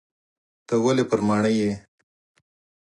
ته ولي پر ماڼي یې ؟